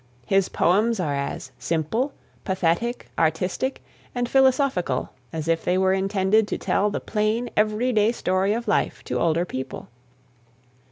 His poems are as simple, pathetic, artistic, and philosophical as if they were intended to tell the plain everyday story of life to older people.